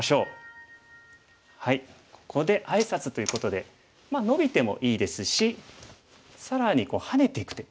ここであいさつということでまあノビてもいいですし更にハネていく手。